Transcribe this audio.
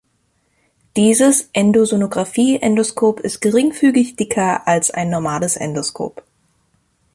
Dieses Endosonografie-Endoskop ist geringfügig dicker als ein normales Endoskop.